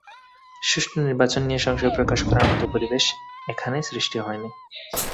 সুষ্ঠু নির্বাচন নিয়ে সংশয় প্রকাশ করার মতো পরিবেশ এখানে সৃষ্টি হয়নি।